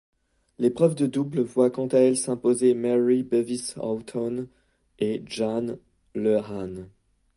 L'épreuve de double voit quant à elle s'imposer Mary Bevis Hawton et Jan Lehane.